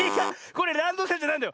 これランドセルじゃないんだよ。